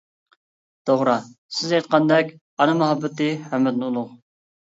توغرا سىز ئېيتقاندەك ئانا مۇھەببىتى ھەممىدىن ئۇلۇغ.